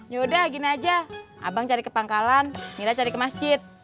yaudah gini aja abang cari ke pangkalan mila cari ke masjid